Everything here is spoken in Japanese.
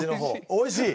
おいしい。